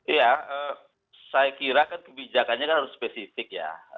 ya saya kira kan kebijakannya harus spesifik ya